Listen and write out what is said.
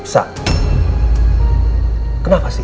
saat kenapa sih